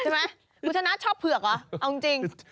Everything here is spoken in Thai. ใช่ไหมคุณชนะชอบเผือกเหรอเอาจริง